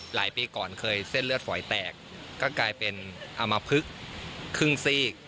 หลายปีก่อนเคยเส้นเลือดฝอยแตกก็กลายเป็นอมพลึกครึ่งซีก